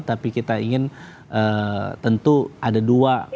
tapi kita ingin tentu ada dua